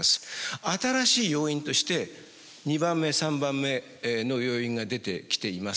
新しい要因として２番目３番目の要因が出てきています。